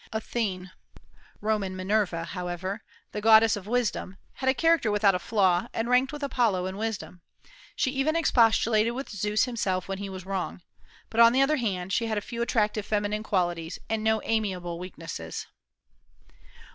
Athene (Roman Minerva) however, the goddess of wisdom, had a character without a flaw, and ranked with Apollo in wisdom. She even expostulated with Zeus himself when he was wrong. But on the other hand she had few attractive feminine qualities, and no amiable weaknesses.